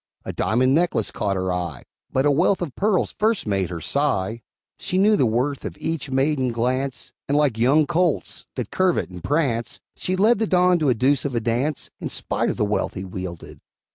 A diamond necklace caught her eye, But a wreath of pearls first made her sigh. She knew the worth of each maiden glance, And, like young colts, that curvet and prance, She led the Don a deuce of a dance, In spite of the wealth he wielded.